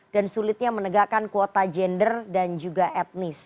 dan sulitnya menegakkan kuota gender dan juga etnis